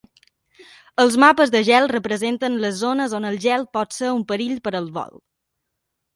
Els mapes de gel representen les zones on el gel pot ser un perill per al vol.